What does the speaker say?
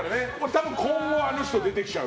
多分、今後はあの人が出てきちゃう。